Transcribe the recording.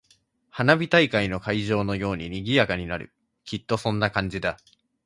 花火大会の会場のように賑やかになる。きっとそんな感じだ。